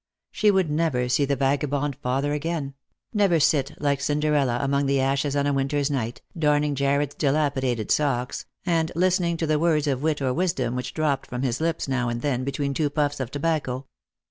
She would never see the vaga bond father again; never sit like Cinderella among the ashes on a winter's night, darning Jarred's dilapidated socks, and listening to the words of wit or wisdom which dropped from his lips now and then between two puffs of tobacco.